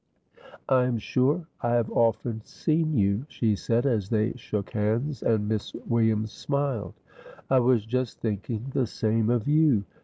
"I am sure I have often seen you," she said, as they shook hands, and Miss Williams smiled. "I was just thinking the same of you.